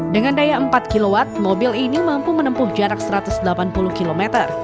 dengan daya empat kw mobil ini mampu menempuh jarak satu ratus delapan puluh km